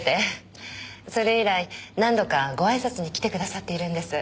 それ以来何度かごあいさつに来てくださっているんです。